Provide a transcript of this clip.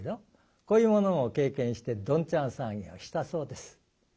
こういうものを経験してどんちゃん騒ぎをしたそうです。